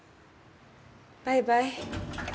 バイバイ。